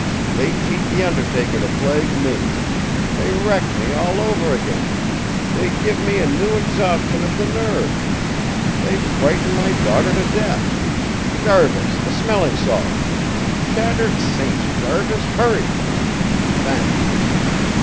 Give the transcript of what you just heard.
They cheat the undertaker to plague me. They wreck me all over again. They give me a new exhaustion of the nerves. They frighten my daughter to death. Jarvis, the smelling salts. Shattered saints, Jarvis! Hurry! Thanks.